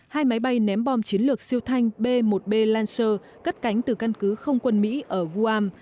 hai máy bay ném bom chiến lược siêu thanh b một b lancer cất cánh từ căn cứ không quân mỹ ở guam